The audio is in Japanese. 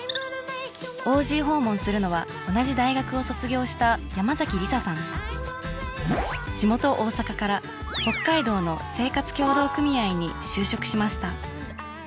ＯＧ訪問するのは同じ大学を卒業した地元大阪から北海道の生活協同組合に就職しました。